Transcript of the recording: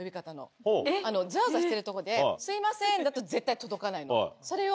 ザワザワしてるとこで「すいません」だと絶対届かないの。それを。